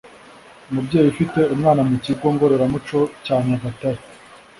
umubyeyi ufite umwana mu Kigo Ngororamuco cya Nyagatare